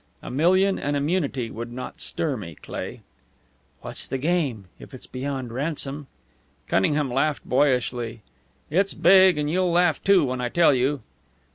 A million and immunity would not stir me, Cleigh." "What's the game if it's beyond ransom?" Cunningham laughed boyishly. "It's big, and you'll laugh, too, when I tell you."